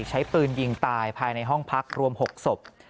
ใช้ปืนยิงตายภายในห้องพักรวม๖ศพ